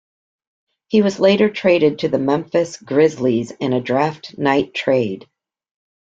He was later traded to the Memphis Grizzlies in a draft night trade.